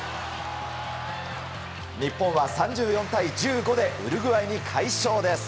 日本は、３４対１５でウルグアイに快勝です。